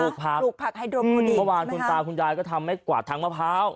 ปลูกผักปลูกผักไฮโดรมดิประมาณคุณตาคุณยายก็ทำให้กวาดทั้งมะพร้าว